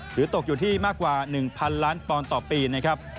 ตกอยู่ที่มากกว่า๑๐๐๐ล้านปอนด์ต่อปีนะครับ